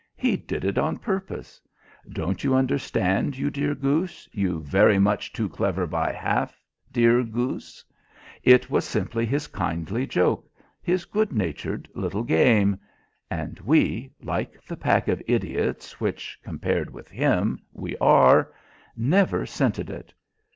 He did it on purpose. Don't you understand, you dear goose, you very much too clever by half dear goose? It was simply his kindly joke, his good natured little game. And we, like the pack of idiots which compared with him we are, never scented it.